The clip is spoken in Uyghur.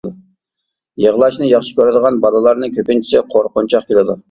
يىغلاشنى ياخشى كۆرىدىغان بالىلارنىڭ كۆپىنچىسى قورقۇنچاق كېلىدۇ.